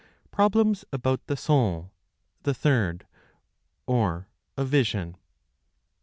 (Problems about the Soul, the Third, or) Of Vision, 29.